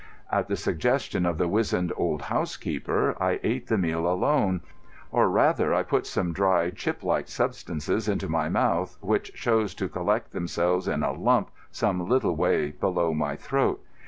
At the suggestion of the wizened old housekeeper, I ate the meal alone—or, rather, I put some dry, chip like substances into my mouth, which chose to collect themselves in a lump some little way below my throat.